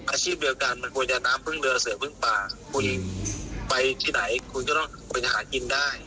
อาชีพเดียวกันมันควรจะน้ำพึ่งเรือเสือพึ่งป่าคุณไปที่ไหนคุณก็ต้องไปหากินได้